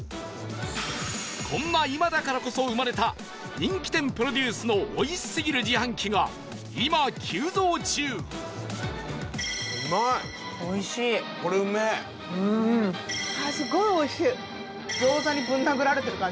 こんな今だからこそ生まれた人気店プロデュースのおいしすぎる自販機が今急増中出ましたおい Ｃ。